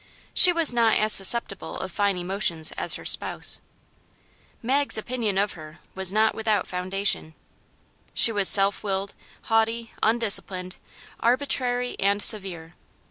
She was not as susceptible of fine emotions as her spouse. Mag's opinion of her was not without foundation. She was self willed, haughty, undisciplined, arbitrary and severe.